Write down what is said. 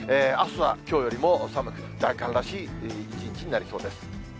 あすはきょうよりも寒く、大寒らしい一日になりそうです。